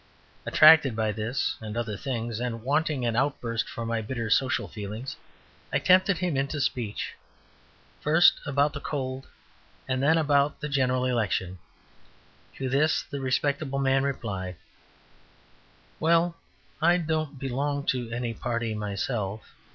Attracted by this and other things, and wanting an outburst for my bitter social feelings, I tempted him into speech, first about the cold, and then about the General Election. To this the respectable man replied: "Well, I don't belong to any party myself.